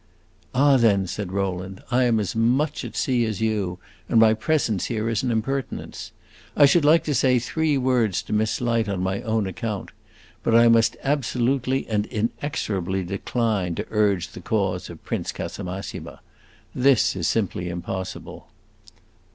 "Ah, then," said Rowland, "I am as much at sea as you, and my presence here is an impertinence. I should like to say three words to Miss Light on my own account. But I must absolutely and inexorably decline to urge the cause of Prince Casamassima. This is simply impossible."